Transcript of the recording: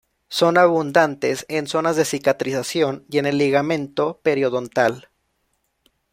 Son abundantes en zonas de cicatrización y en el ligamento periodontal.